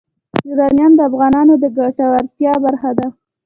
یورانیم د افغانانو د ګټورتیا برخه ده.